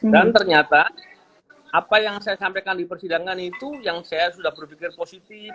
dan ternyata apa yang saya sampaikan di persidangan itu yang saya sudah berpikir positif